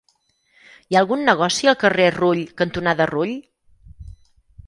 Hi ha algun negoci al carrer Rull cantonada Rull?